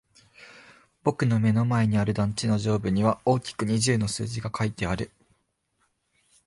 僕の目の前にある団地の上部には大きく二十の数字が書いてある。